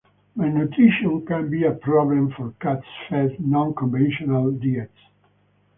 Malnutrition can be a problem for cats fed non-conventional diets.